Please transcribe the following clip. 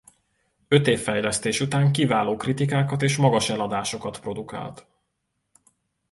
Öt év fejlesztés után kiváló kritikákat és magas eladásokat produkált.